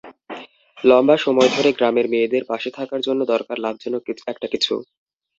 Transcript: লম্বা সময় ধরে গ্রামের মেয়েদের পাশে থাকার জন্য দরকার লাভজনক একটা কিছু।